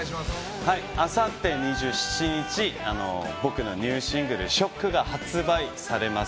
あさって２７日僕のニューシングル「Ｓｈｏｃｋ」が発売されます。